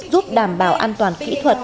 giúp đảm bảo an toàn kỹ thuật